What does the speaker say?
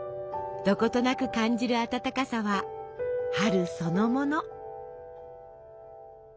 どことなく感じる暖かさは春そのもの。